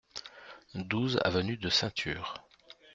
douze avenue de Ceinture